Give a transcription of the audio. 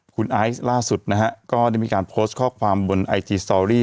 คุณไอซ์ล่าสุดนะฮะก็ได้มีการโพสต์ข้อความบนไอจีสตอรี่